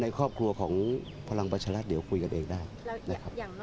ในครอบครัวของพลังประชรรัครเดี๋ยวเข้าติดใจได้